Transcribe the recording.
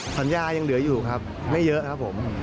สัญญายังเหลืออยู่ครับไม่เยอะครับผม